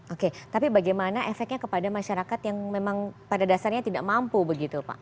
oke tapi bagaimana efeknya kepada masyarakat yang memang pada dasarnya tidak mampu begitu pak